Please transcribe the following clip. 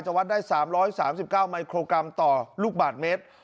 จะวัดได้สามร้อยสามสิบเก้าไมโครกรัมต่อลูกบาทเมตร